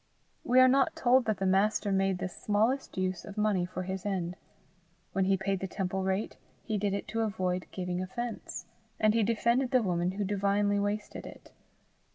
We are not told that the Master made the smallest use of money for his end. When he paid the temple rate, he did it to avoid giving offence; and he defended the woman who divinely wasted it.